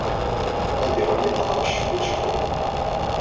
La d-iɣelli ḍḍlam cwiṭ, cwiṭ.